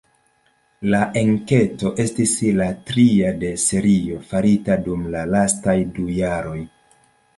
La enketo estis la tria de serio farita dum la lastaj du jaroj.